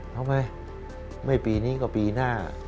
เอาไหมไม่ปีนี้ก็ปีหน้า